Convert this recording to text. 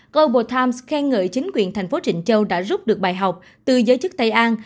goble times khen ngợi chính quyền thành phố trịnh châu đã rút được bài học từ giới chức tây an